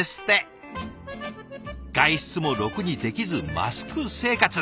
外出もろくにできずマスク生活。